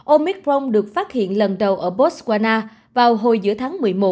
omicron được phát hiện lần đầu ở botswana vào hồi giữa tháng một mươi một